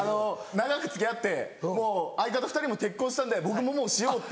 長く付き合ってもう相方２人も結婚したんで僕ももうしようと。